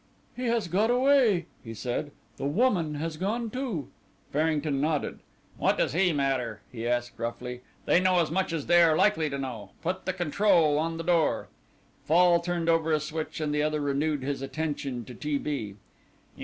"He has got away," he said; "the woman has gone too." Farrington nodded. "What does he matter?" he asked roughly; "they know as much as they are likely to know. Put the control on the door." Fall turned over a switch and the other renewed his attention to T. B.